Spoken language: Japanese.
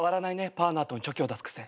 パーの後にチョキを出す癖。